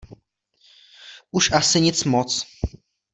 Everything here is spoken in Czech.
Už asi nic moc.